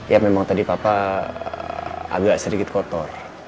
ya memang tadi papa agak sedikit kotor